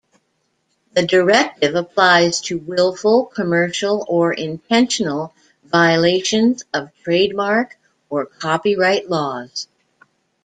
The Directive applies to "willful, commercial or intentional" violations of trademark or copyright laws.